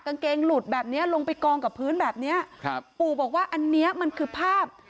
กางเกงหลุดแบบเนี้ยลงไปกองกับพื้นแบบเนี้ยครับปู่บอกว่าอันเนี้ยมันคือภาพ